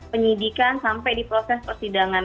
penyidikan sampai di proses persidangan